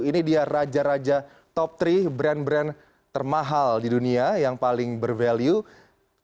ini dia raja raja top tiga brand brand termahal di dunia yang paling bervalue